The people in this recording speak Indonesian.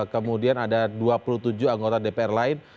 kemudian ada dua puluh tujuh anggota dpr lain